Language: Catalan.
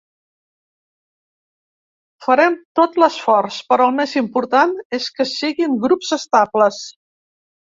Farem tot l’esforç, però el més important és que siguin grups estables.